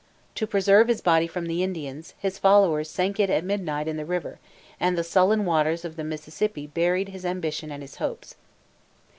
To preserve his body from the Indians, his followers sank it at midnight in the river, and the sullen waters of the Mississippi buried his ambition and his hopes.